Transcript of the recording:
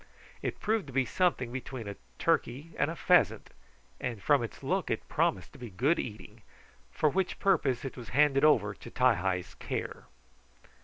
It proved to be something between a turkey and a pheasant, and from its look it promised to be good eating, for which purpose it was handed over to Ti hi's care.